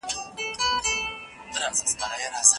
په لابراتوار کي د استاد شتون اړین ګڼل کېږي.